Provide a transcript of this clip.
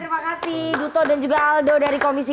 terima kasih duto dan juga aldo dari komisi tiga